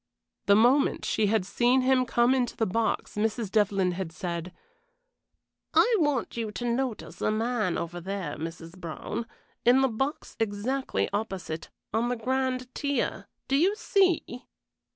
The moment she had seen him come into the box Mrs. Devlyn had said, "I want you to notice a man over there, Mrs. Brown, in the box exactly opposite; on the grand tier do you see?"